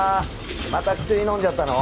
また薬飲んじゃったの？